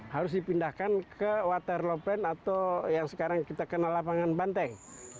harus dipindahkan ke waterlopen atau yang sekarang kita kenal lapangan banteng